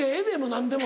何でも。